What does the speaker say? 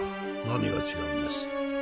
何が違うんです？